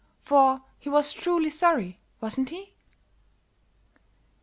For he was truly sorry, wasn't he?"